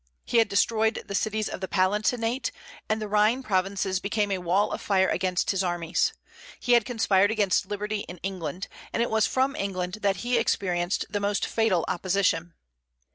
He had destroyed the cities of the Palatinate; and the Rhine provinces became a wall of fire against his armies. He had conspired against liberty in England; and it was from England that he experienced the most fatal opposition."